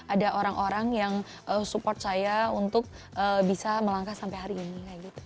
ada orang orang yang support saya untuk bisa melangkah sampai hari ini